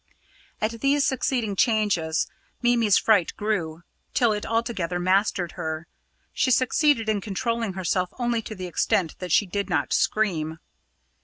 At these succeeding changes Mimi's fright grew, till it altogether mastered her. She succeeded in controlling herself only to the extent that she did not scream.